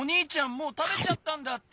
もうたべちゃったんだって。